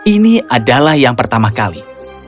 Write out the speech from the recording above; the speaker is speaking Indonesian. ini adalah yang pertama kali